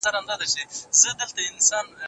لاندي غوښه د ژمي په موسم کې ډېر خوند ورکوي.